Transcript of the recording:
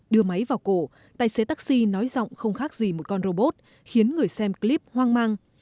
đưa máy vào cổ tài xế taxi nói giọng không khác gì một con robot khiến người xem clip hoang mang